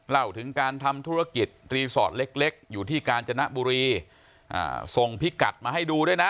เล่าถึงการทำธุรกิจรีสอร์ทเล็กเล็กอยู่ที่กาญจนบุรีอ่าส่งพิกัดมาให้ดูด้วยนะ